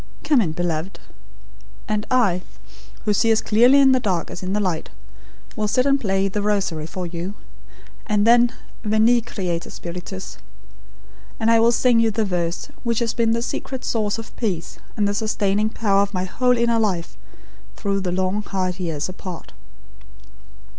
Come in, beloved; and I, who see as clearly in the dark as in the light, will sit and play THE ROSARY for you; and then Veni, Creator Spiritus; and I will sing you the verse which has been the secret source of peace, and the sustaining power of my whole inner life, through the long, hard years, apart."